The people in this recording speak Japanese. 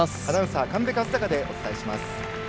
アナウンサー神戸和貴でお伝えします。